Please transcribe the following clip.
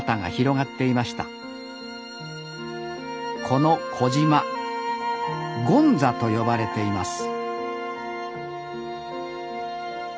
この小島「権座」と呼ばれています